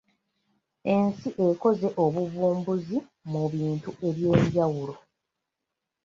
Ensi ekoze obuvumbuzi mu bintu eby’enjawulo.